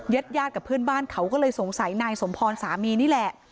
ญาติญาติกับเพื่อนบ้านเขาก็เลยสงสัยนายสมพรสามีนี่แหละ